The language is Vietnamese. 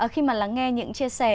khi mà lắng nghe những chia sẻ